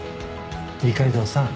二階堂さん